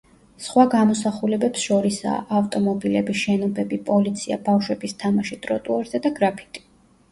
სხვა გამოსახულებებს შორისაა: ავტომობილები, შენობები, პოლიცია, ბავშვების თამაში ტროტუარზე და გრაფიტი.